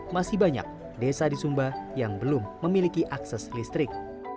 masih banyak desa di sumba yang belum memiliki akses listrik